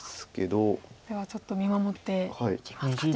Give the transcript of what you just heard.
これはちょっと見守っていきますか。